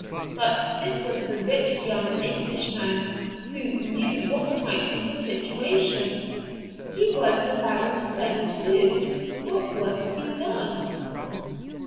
But this was the rich young Englishman; who knew what might be his situation? He was the Baron's friend too; what was to be done?